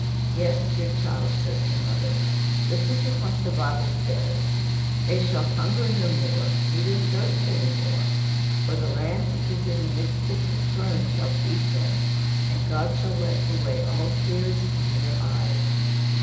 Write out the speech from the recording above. "Yes, dear child," says the mother; "listen to what the Bible says: 'They shall hunger no more, neither thirst any more; for the Lamb which is in the midst of the throne shall feed them; and God shall wipe away all tears from their eyes.'"